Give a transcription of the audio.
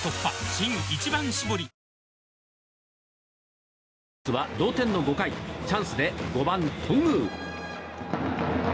首位オリックスは同点の５回チャンスで５番、頓宮。